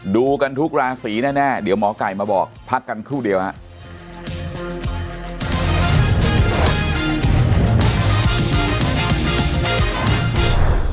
ดูกันทุกราศีแน่เดี๋ยวหมอไก่มาบอกพักกันครู่เดียวครับ